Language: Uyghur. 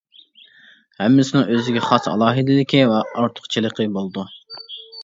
ھەممىسىنىڭ ئۆزىگە خاس ئالاھىدىلىكى ۋە ئارتۇقچىلىقى بولىدۇ.